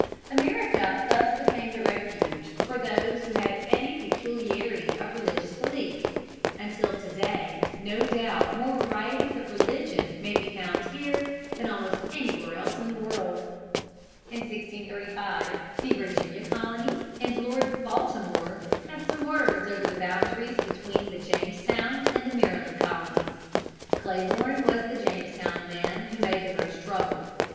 America thus became the refuge for those who had any peculiarity of religious belief, until to day no doubt more varieties of religion may be found here than almost anywhere else in the world. In 1635 the Virginia Colony and Lord Baltimore had some words over the boundaries between the Jamestown and Maryland Colonies. Clayborne was the Jamestown man who made the most trouble.